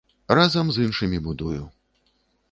Разам з іншымі будую.